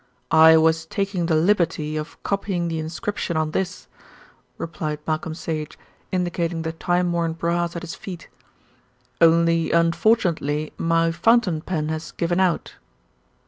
"I was taking the liberty of copying the inscription on this," replied Malcolm Sage, indicating the time worn brass at his feet, "only unfortunately my fountain pen has given out."